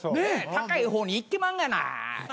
高い方に行ってまんがな！